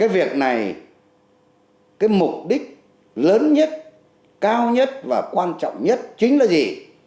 cái việc này cái mục đích lớn nhất cao nhất và quan trọng nhất chính là gì